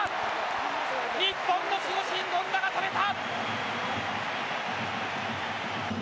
日本の守護神、権田が止めた。